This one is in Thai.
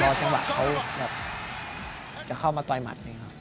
เดาจังหวะเขาแบบจะเข้ามาต่อตายหมัดนะครับ